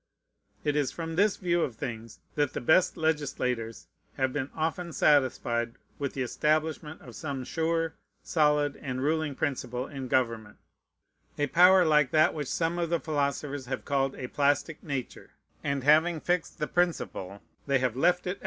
It is from this view of things that the best legislators have been often satisfied with the establishment of some sure, solid, and ruling principle in government, a power like that which some of the philosophers have called a plastic Nature; and having fixed the principle, they have left it afterwards to its own operation.